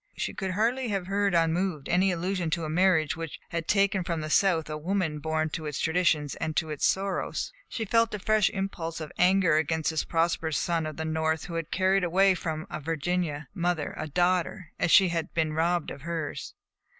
She could hardly have heard unmoved any allusion to a marriage which had taken from the South a woman born to its traditions and to its sorrows. She felt a fresh impulse of anger against this prosperous son of the North who had carried away from a Virginia mother a daughter as she had been robbed of hers.